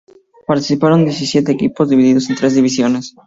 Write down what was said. Participaron diecisiete equipos divididos en tres divisiones.